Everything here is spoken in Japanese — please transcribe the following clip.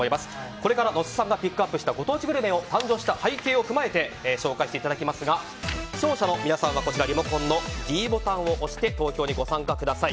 これから野瀬さんがピックアップしたご当地グルメを誕生した背景を踏まえて紹介していただきますが視聴者の皆さんはリモコンのｄボタンを押して投票にご参加ください。